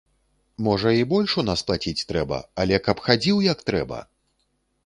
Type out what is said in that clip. Можа, і больш у нас плаціць трэба, але каб хадзіў, як трэба!